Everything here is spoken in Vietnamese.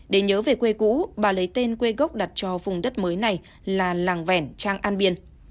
để nhớ về quê cũ bà lấy tên quê gốc đặt cho vùng đất mới này là làng vẻn trang an biên